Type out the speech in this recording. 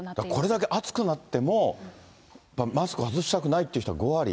これだけ暑くなっても、やっぱり、マスク外したくないっていう人が５割。